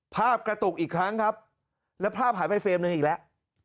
กระตุกอีกครั้งครับแล้วภาพหายไปเฟรมหนึ่งอีกแล้ว